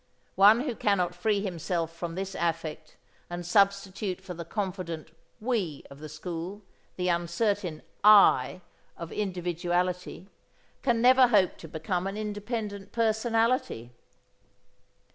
One who cannot free himself from this affect and substitute for the confident "we" of the school the uncertain "I" of individuality can never hope to become an independent personality.